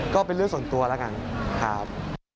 ก็เป็นเรื่องส่วนตัวแล้วกันครับ